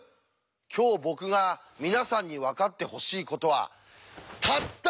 今日僕が皆さんに分かってほしいことはたった一つなんです！